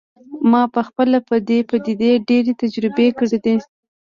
ما پخپله په دې پدیده ډیرې تجربې کړي دي